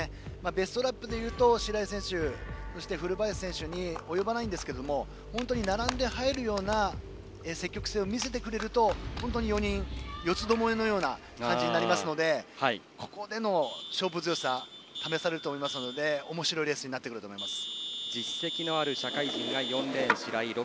ベストラップでいうと白井選手、古林選手に及ばないんですけれども並んで入るような積極性を見せてくれると本当に４人、四つどもえのような形になりますのでここでの勝負強さが試されると思いますのでおもしろいレースになってくると思います。